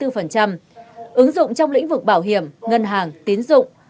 ứng dụng trong lĩnh vực bảo hiểm ngân hàng tín dụng